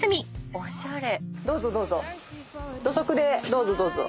どうぞどうぞ。